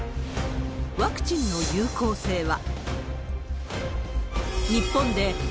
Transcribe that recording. ワクチンの有効性は。